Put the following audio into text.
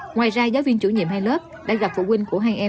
ngoài ra giáo viên chủ nhiệm hai lớp đã gặp phụ huynh của hai em